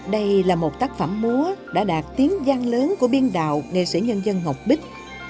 đây là một tác phẩm múa đã đạt tiếng gian lớn của biên đạo nghệ sĩ nhân dân ngọc bích